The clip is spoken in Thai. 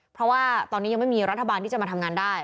เพราะว่าตอนนี้ยังไม่มีรัฐบาลที่จะมาทำงานได้